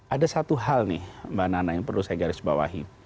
ada satu hal nih mbak nana yang perlu saya garis bawahi